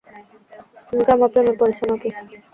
তুমি কি আমার প্রেমে পড়েছ নাকি?